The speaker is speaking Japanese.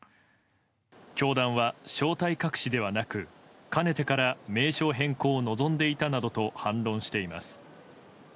教団は正体隠しではなくかねてから名称変更を望んでいたなどと反論しています。